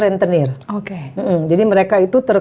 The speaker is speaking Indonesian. rentenir oke jadi mereka itu